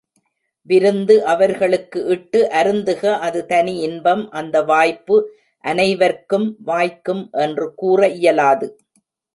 விருந்து அவர்களுக்கு இட்டு அருந்துக அது தனி இன்பம் அந்த வாய்ப்பு அனைவர்க்கும் வாய்க்கும் என்று கூற இயலாது.